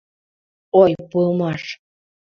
ОЙ ПУЫМАШ